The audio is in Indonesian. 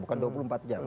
bukan dua puluh empat jam